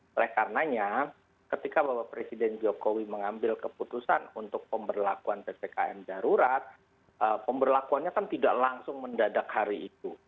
oleh karenanya ketika bapak presiden jokowi mengambil keputusan untuk pemberlakuan ppkm darurat pemberlakuannya kan tidak langsung mendadak hari itu